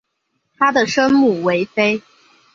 她的生母韦妃。